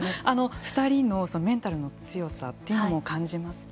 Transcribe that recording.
２人のメンタルの強さというのも感じますか。